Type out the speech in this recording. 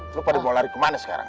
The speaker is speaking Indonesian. terus pada mau lari kemana sekarang